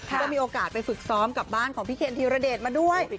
ก็มีโอกาสไปฝึกซ้อมกับบ้านของพี่เคนธีรเดชมาด้วย